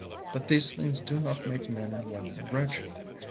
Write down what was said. But these things do not make men and women wretched.